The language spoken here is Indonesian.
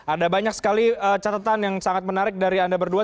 ada banyak sekali catatan yang sangat menarik dari anda berdua